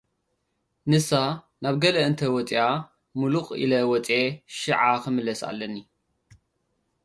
ንሳ ናብ ገለ እንተ ወጺኣ፡ ምሉቕ ኢለ ወጺአ ሽዓ ክምለስ ኣለኒ።